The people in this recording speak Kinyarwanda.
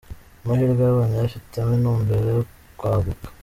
Amahirwe yabonye ayafitemo intumbero yo kwaguka.